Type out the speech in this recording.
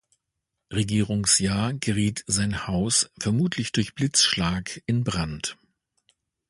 Regierungsjahr geriet sein Haus, vermutlich durch Blitzschlag, in Brand.